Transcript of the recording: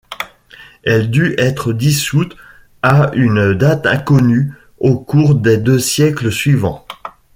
Elle dut être dissoute à une date inconnue au cours des deux siècles suivants.